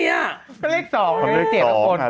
วันนั้นเลข๒นะคะ